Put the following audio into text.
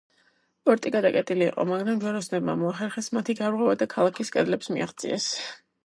პორტი გადაკეტილი იყო მაგრამ ჯვაროსნებმა მოახერხეს მათი გარღვევა და ქალაქის კედლებს მიაღწიეს.